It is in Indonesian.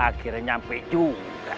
akhirnya nyampe juga